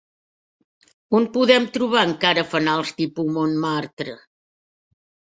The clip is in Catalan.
On podem trobar encara fanals tipus Montmartre?